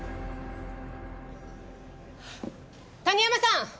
谷山さん